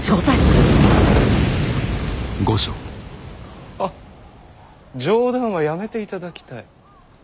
はっ冗談はやめていただきたい。